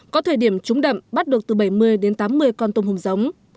có thời điểm trúng đậm bắt được từ bảy mươi đến tám mươi con tôm hùm giống